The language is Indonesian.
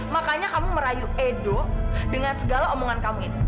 makanya kamu merayu edo dengan segala omongan kamu itu